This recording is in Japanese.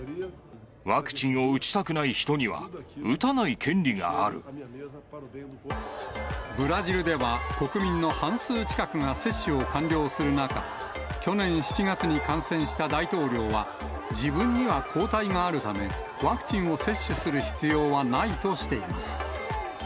ワクチンを打ちたくない人にブラジルでは、国民の半数近くが接種を完了する中、去年７月に感染した大統領は、自分には抗体があるため、ワクチンを接種する必要はないとしています。